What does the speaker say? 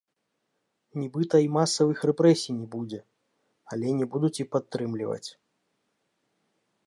Нібыта і масавых рэпрэсій не будзе, але не будуць і падтрымліваць.